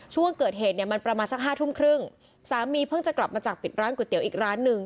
ช่วงเกิดเหตุเนี่ยมันประมาณสักห้าทุ่มครึ่งสามีเพิ่งจะกลับมาจากปิดร้านก๋วยเตี๋ยวอีกร้านหนึ่ง